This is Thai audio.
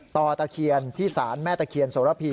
ตะเคียนที่ศาลแม่ตะเคียนโสระพี